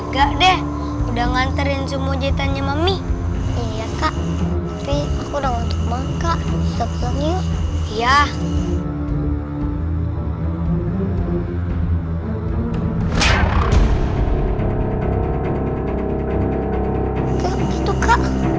enggak deh udah nganterin semua jitannya mami iya kak tapi aku udah mau kembang kak ya